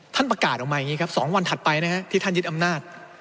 ท่านประกาศออกมาอย่างนี้ครับ๒วันถัดไปนะฮะที่ท่านยึดอำนาจ